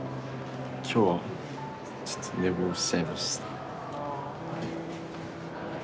今日はちょっと寝坊しちゃいました。